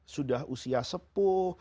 sudah usia sepuh